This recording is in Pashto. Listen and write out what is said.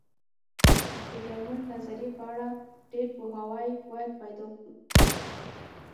د ډایمونډ نظریې په اړه ډېر پوهاوی باید پیدا کړو.